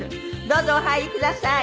どうぞお入りください。